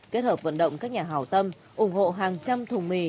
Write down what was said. kết hợp vận động các nhà hào tâm ủng hộ hàng trăm thùng mì